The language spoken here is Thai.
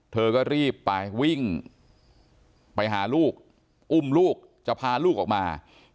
เธอก็รีบไปวิ่งไปหาลูกอุ้มลูกจะพาลูกออกมา